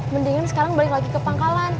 mendingan sekarang balik lagi ke pangkalan